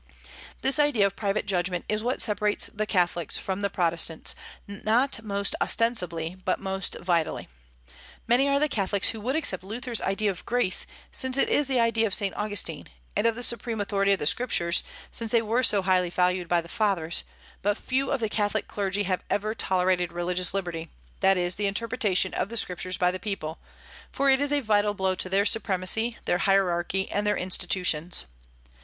This idea of private judgment is what separates the Catholics from the Protestants; not most ostensibly, but most vitally. Many are the Catholics who would accept Luther's idea of grace, since it is the idea of Saint Augustine; and of the supreme authority of the Scriptures, since they were so highly valued by the Fathers: but few of the Catholic clergy have ever tolerated religious liberty, that is, the interpretation of the Scriptures by the people, for it is a vital blow to their supremacy, their hierarchy, and their institutions.